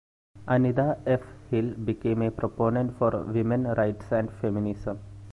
Anita F. Hill became a proponent for women's rights and feminism.